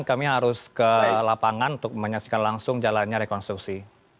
kami harus ke lapangan untuk menyaksikan langsung jalannya rekonstruksi